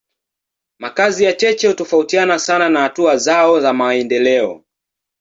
Makazi ya cheche hutofautiana sana na hatua zao za maendeleo.